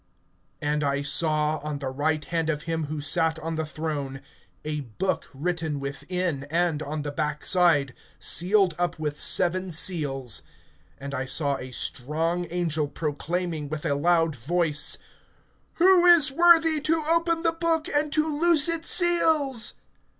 AND I saw, on the right hand of him who sat on the throne, a book written within and on the back side, sealed up with seven seals. (2)And I saw a strong angel proclaiming with a loud voice: Who is worthy to open the book, and to loose its seals?